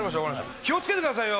気を付けてくださいよ